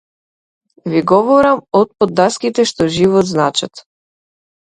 Ви говорам од под даските што живот значат!